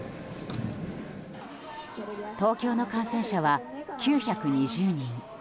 東京の感染者は９２０人。